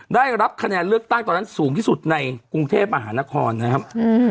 ได้รับคะแนนเลือกตั้งตอนนั้นสูงที่สุดในกรุงเทพมหานครนะครับ